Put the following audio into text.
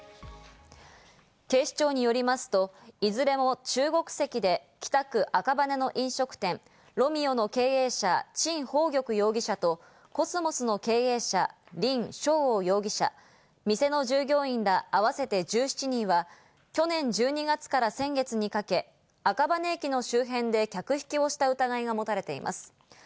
警視庁によりますと、いずれも中国籍で北区・赤羽の飲食店ＲＯＭＥＯの経営者、チン・ホウギョク容疑者とコスモスの経営者、リン・ショウオウ容疑者、店の従業員ら合わせて１７人は去年１２月から先月にかけ、赤羽駅の周辺で客引きをした疑いが持たれています。